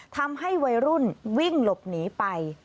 ทำให้วัยรุ่นวิ่งหลบหนีไป